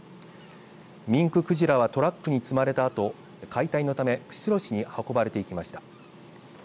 ミンククジラはトラックに積まれたあと解体のため釧路市に運ばれていきました。